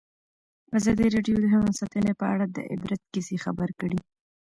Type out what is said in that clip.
ازادي راډیو د حیوان ساتنه په اړه د عبرت کیسې خبر کړي.